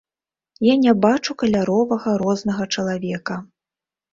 Я не бачу каляровага рознага чалавека.